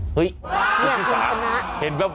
หนูออกงาเหมือนช้างเลยครับ